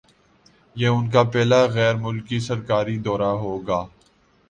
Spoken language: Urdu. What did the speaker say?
یہ ان کا پہلا غیرملکی سرکاری دورہ ہوگا